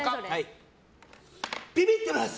ビビってます！